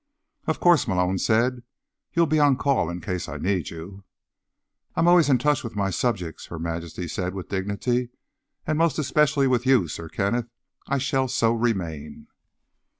"Of course," Malone said, "you'll be on call in case I need you." "I am always in touch with my subjects," Her Majesty said with dignity, "and most especially with you, Sir Kenneth. I shall so remain."